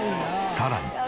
さらに。